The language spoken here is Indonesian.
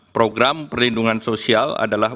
program perlindungan sosial adalah